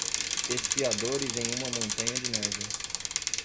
Esquiadores em uma montanha de neve.